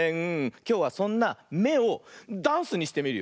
きょうはそんな「め」をダンスにしてみるよ。